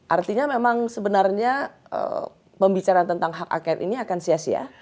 artinya memang sebenarnya pembicaraan tentang hak angket ini akan sia sia